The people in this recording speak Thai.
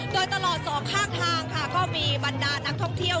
โดยตลอดสองข้างทางค่ะก็มีบรรดานักท่องเที่ยว